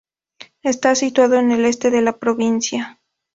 Está situado en el este de la provincia.